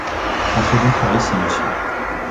Entrez donc par ici, monsieur.